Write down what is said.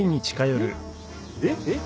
えっ？えっ？